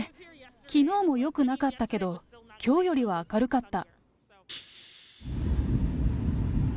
きのうもよくなかったけど、きょうよりは明るかった。